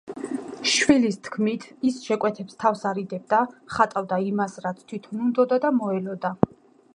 შვილის თქმით, ის შეკვეთებს თავს არიდებდა, ხატავდა იმას, რაც თვითონ უნდოდა და მოელოდა.